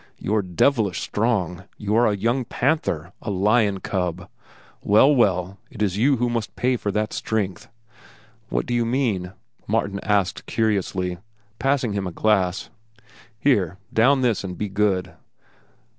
You are devilish strong. You are a young panther, a lion cub. Well, well, it is you who must pay for that strength." "What do you mean?" Martin asked curiously, passing him a glass. "Here, down this and be good."